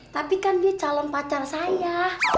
tapi kan dia calon pacar saya